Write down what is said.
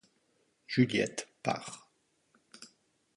Juliette part.